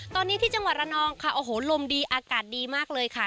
ตอนนี้ที่จังหวัดระนองค่ะโอ้โหลมดีอากาศดีมากเลยค่ะ